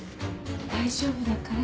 大丈夫だから。